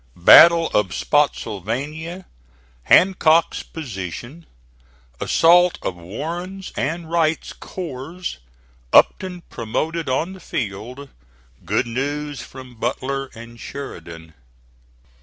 BATTLE OF SPOTTSYLVANIA HANCOCK'S POSITION ASSAULT OF WARREN'S AND WRIGHT'S CORPS UPTON PROMOTED ON THE FIELD GOOD NEWS FROM BUTLER AND SHERIDAN.